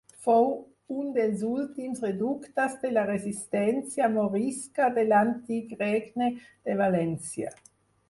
Fou un dels últims reductes de la resistència morisca de l'antic Regne de València.